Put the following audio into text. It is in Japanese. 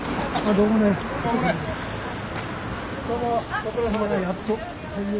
どうもご苦労さまです。